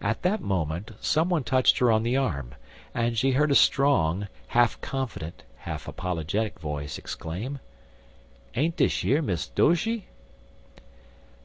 At that moment some one touched her on the arm, and she heard a strong, half confident, half apologetic voice exclaim: "Ain't dish yer Miss Doshy?"